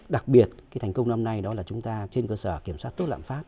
đặc biệt thành công năm nay đó là chúng ta trên cơ sở kiểm soát tốt lãng phát